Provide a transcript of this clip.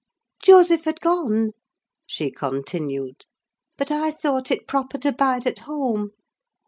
"Joseph had gone," she continued, "but I thought proper to bide at home.